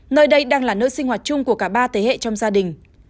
nơi đây đang là nơi sinh hoạt chung của cả ba thế hệ trong gia đình